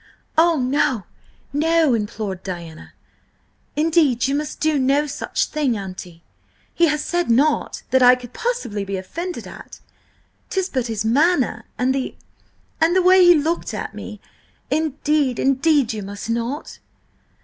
"Oh, no–no!" implored Diana. "Indeed, you must do no such thing, Auntie! He has said nought that I could possibly be offended at–'tis but his manner, and the–and the way he looked at me. Indeed, indeed, you must not!"